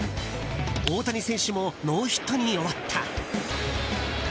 大谷選手もノーヒットに終わった。